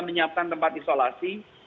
menyiapkan tempat isolasi